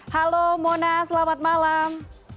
halo mona selamat malam